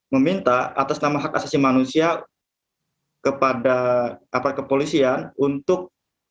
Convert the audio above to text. meminta atas nama hak asasi manusia kepada aparat kepolisian untuk